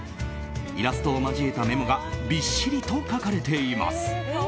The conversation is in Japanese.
イラストを交えたメモがびっしりと書かれています。